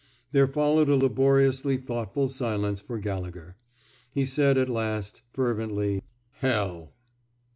There followed a laboriously thoughtful silence for Gallegher. He said, at last, fervently: Hell!"